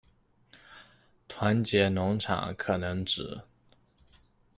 团结农场，可能指：